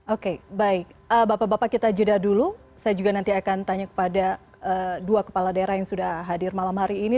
oke baik bapak bapak kita jeda dulu saya juga nanti akan tanya kepada dua kepala daerah yang sudah hadir malam hari ini